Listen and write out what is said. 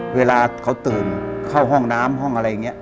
เวลาเขาตื่นเข้าห้องน้ำห้องบิน